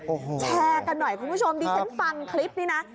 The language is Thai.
แชร์กันหน่อยคุณผู้ชมดีเซ็นต์ฟังคลิปนี้นะ